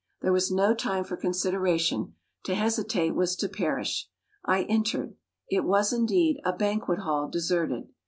There was no time for consideration to hesitate was to perish. I entered; it was indeed "a banquet hall deserted."